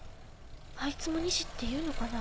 あいつも西っていうのかな。